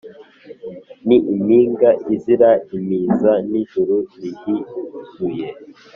Ni impinga izira impiza Ni ijuru rihizuye